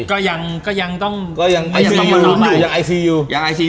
ก็ยังต้องมานอนไป